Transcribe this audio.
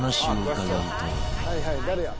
「はいはい誰や？」